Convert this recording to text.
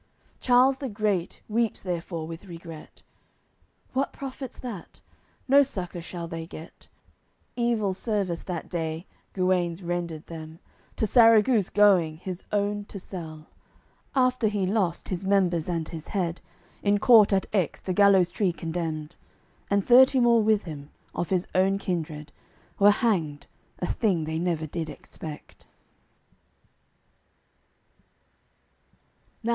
Charles the Great weeps therefor with regret. What profits that? No succour shall they get. Evil service, that day, Guenes rendered them, To Sarraguce going, his own to sell. After he lost his members and his head, In court, at Aix, to gallows tree condemned; And thirty more with him, of his kindred, Were hanged, a thing they never did expect.